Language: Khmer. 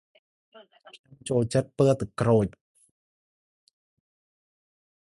ខ្ញុំចូលចិត្តពណ៌ទឹកក្រូច ។